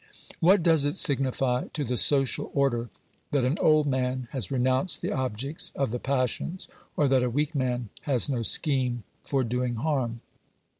What does it signify to the social order that an old man has renounced the objects of the passions, or that a weak man has no scheme for doing harm